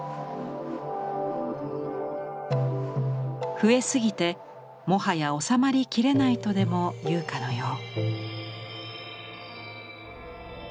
増えすぎてもはや収まりきれないとでもいうかのよう。